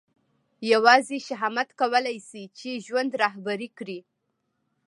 یوازې شهامت کولای شي چې ژوند رهبري کړي.